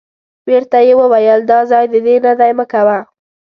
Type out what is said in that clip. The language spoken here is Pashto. بیرته یې وویل دا ځای د دې نه دی مه کوه.